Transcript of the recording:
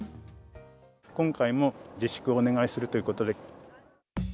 今回も自粛をお願いするということで。